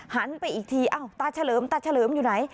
หันไปอีกทีเอ้าตาเฉลิมอยู่ไหน